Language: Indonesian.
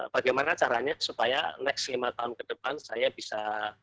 bagaimana caranya supaya next lima tahun ke depan saya bisa